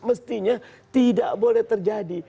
mestinya tidak boleh terjadi